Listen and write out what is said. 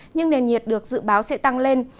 nhưng nền nhiệt được dự báo sẽ tăng lên